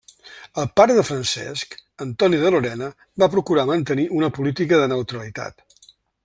El pare de Francesc, Antoni de Lorena, va procurar mantenir una política de neutralitat.